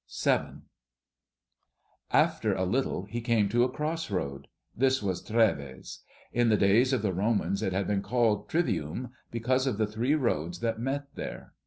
VII. After a little he came to a cross road. This was Trèves. In the days of the Romans it had been called Trivium, because of the three roads that met there.